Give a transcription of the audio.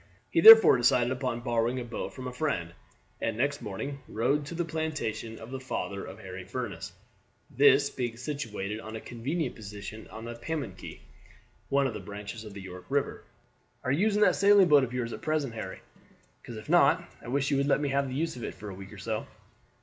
He therefore decided upon borrowing a boat from a friend, and next morning rode to the plantation of the father of Harry Furniss, this being situated on a convenient position on the Pamunkey, one of the branches of the York River. "Are you using that sailing boat of yours at present, Harry? Because, if not, I wish you would let me have the use of it for a week or so."